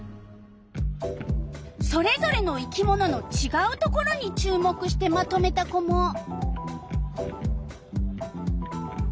それぞれの生き物のちがうところに注目してまとめた子も。